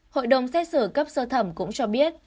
hội đồng xét xử cấp sơ thẩm cũng cho biết